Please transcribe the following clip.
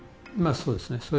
そうですね。